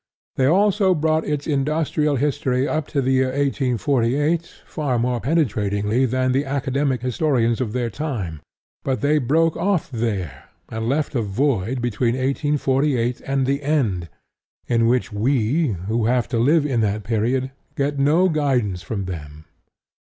They also brought its industrial history up to the year 1848 far more penetratingly than the academic historians of their time. But they broke off there and left a void between 1848 and the end, in which we, who have to live in that period, get no guidance from them.